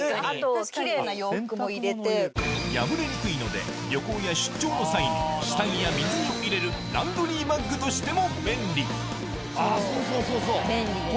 破れにくいので旅行や出張の際に下着や水着を入れるランドリーバッグとしても便利そうそう。